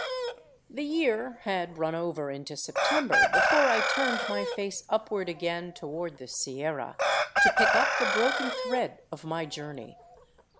The year had run over into September before I turned my face upward again toward the Sierra, to pick up the broken thread of my journey.